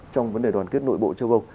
trong vấn đề đoàn kết nội bộ châu âu